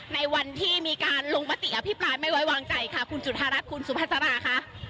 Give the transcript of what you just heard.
ในวันที่มีการลงมติอภิปรายไม่ไว้วางใจค่ะคุณจุธารัฐคุณสุภาษาราค่ะ